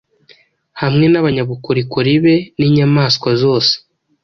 hamwe nabanyabukorikori be n inyamaswa zose